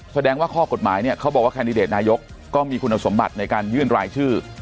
แสดงว่าข้อกฎหมายเนี่ยเขาบอกว่าแคนดิเดตนายกก็มีคุณสมบัติในการยื่นรายชื่อ